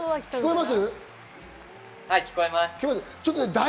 聞こえます？